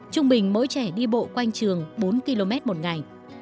trung bình mỗi trẻ đi bộ quanh trường bốn km một ngày